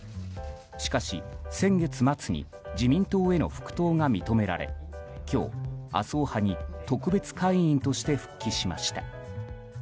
しかし先月末に自民党への復党が認められ今日、麻生派に特別会員として復帰しました。